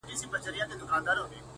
ته چي نه يې کړي به چي ټکور باڼه